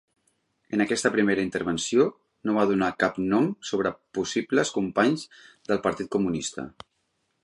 En aquesta primera intervenció, no va donar cap nom sobre possibles companys del Partit Comunista.